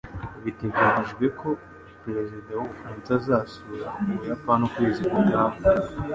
Biteganijwe ko perezida w'Ubufaransa azasura Ubuyapani ukwezi gutaha.